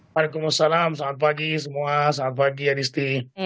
waalaikumsalam selamat pagi semua selamat pagi adisti